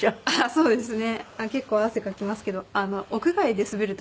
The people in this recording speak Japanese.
そうですね。